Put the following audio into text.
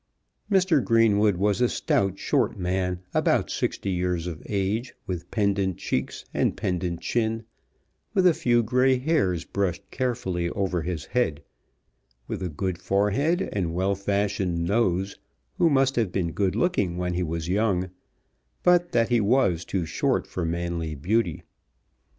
Mr. Greenwood was a stout, short man, about sixty years of age, with pendant cheeks, and pendant chin, with a few grey hairs brushed carefully over his head, with a good forehead and well fashioned nose, who must have been good looking when he was young, but that he was too short for manly beauty.